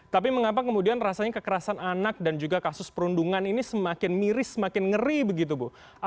tapi mengapa kemudian rasanya kekerasan anak dan juga kasus perundungan ini semakin miris semakin ngeri begitu bu